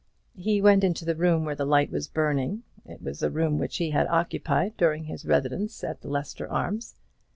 He went into the room where the light was burning. It was the room which he had occupied during his residence at the Leicester Arms.